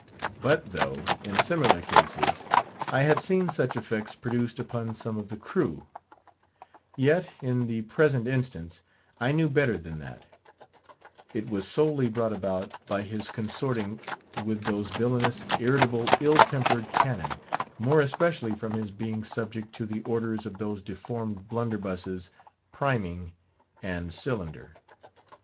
But though, in similar cases, I had seen such effects produced upon some of the crew; yet, in the present instance, I knew better than that;—it was solely brought about by his consorting with with those villainous, irritable, ill tempered cannon; more especially from his being subject to the orders of those deformed blunderbusses, Priming and Cylinder.